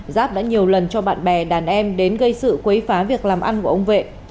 giáp đã nhiều lần cho bạn bè đàn em đến gây sự quấy phá việc làm ăn của ông vệ